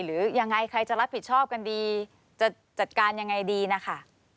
หรือยังไงใครจะรับผิดชอบกันดีจะจัดการยังไงดีนะคะ